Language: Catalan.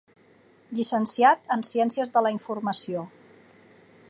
Llicenciat en Ciències de la Informació.